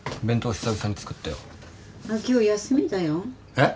えっ！？